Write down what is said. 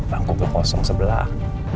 bangku gue kosong sebelah